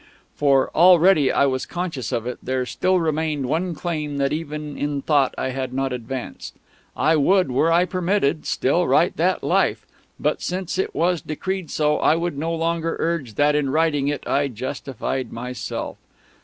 For already I was conscious of it there still remained one claim that even in thought I had not advanced. I would, were I permitted, still write that "Life," but, since it was decreed so, I would no longer urge that in writing it I justified myself.